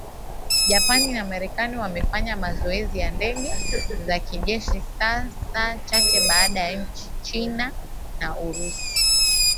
Japan na Marekani wamefanya mazoezi ya ndege za kijeshi saa chache baada ya China na Urusi